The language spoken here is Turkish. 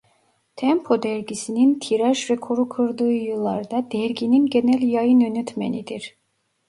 Tempo dergisi'nin tiraj rekoru kırdığı yıllarda derginin genel yayın yönetmenidir.